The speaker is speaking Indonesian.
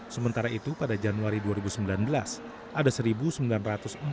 sementara itu pada januari dua ribu sembilan belas ada satu sembilan ratus empat puluh